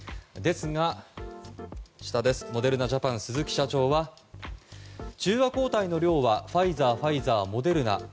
ですが、モデルナ・ジャパンの鈴木社長は中和抗体の量はファイザーファイザー、モデルナ